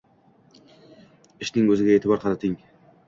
Ishning o’ziga e’tibor qarating